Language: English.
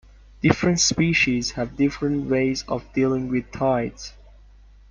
Different species have different ways of dealing with tides.